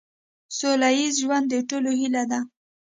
سوله ایز ژوند د ټولو هیله ده.